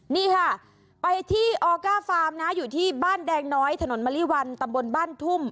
นี่ค่ะไปที่ออก้าฟาร์มนะอยู่ที่บ้านแดงน้อยถนนมะลิวันตำบลบ้านทุ่ม